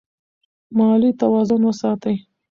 مالي توازن وساتئ.